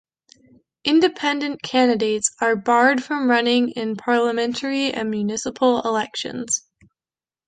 Independent candidates are barred from running in parliamentary and municipal elections.